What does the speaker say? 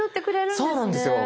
そうなんですよ。